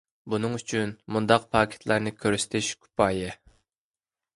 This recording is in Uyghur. بۇنىڭ ئۈچۈن مۇنداق پاكىتلارنى كۆرسىتىش كۇپايە.